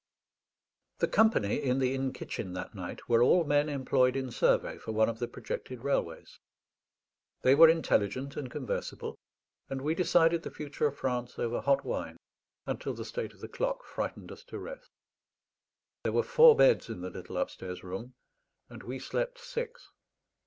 The company in the inn kitchen that night were all men employed in survey for one of the projected railways. They were intelligent and conversible, and we decided the future of France over hot wine, until the state of the clock frightened us to rest. There were four beds in the little upstairs room; and we slept six.